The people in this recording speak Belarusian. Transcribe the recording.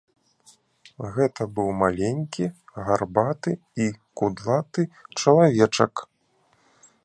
Гэта быў маленькі, гарбаты і кудлаты чалавечак.